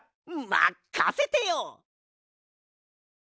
まっかせてよ！